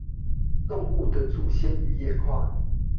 動物的祖先與演化